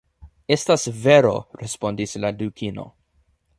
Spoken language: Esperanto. "Estas vero," respondis la Dukino.